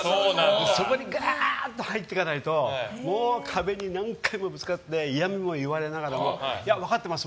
そこにガーンと入っていかないともう壁に何回もぶつかって嫌みも言われながら分かってます